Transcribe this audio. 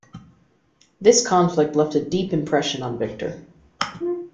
This conflict left a deep impression on Victor.